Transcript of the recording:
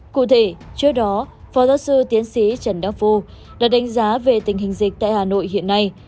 cụ thể trước đó phó giáo sư tiến sĩ trần đắc phu đã đánh giá về tình hình dịch tại hà nội hiện nay